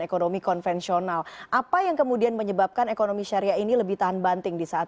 ekonomi konvensional apa yang kemudian menyebabkan ekonomi syariah ini lebih tahan banting di saat